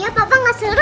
ya papa gak seru